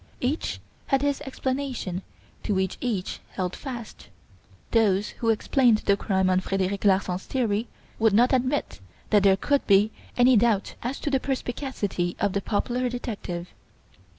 Each had his explanation to which each held fast. Those who explained the crime on Frederic Larsan's theory would not admit that there could be any doubt as to the perspicacity of the popular detective.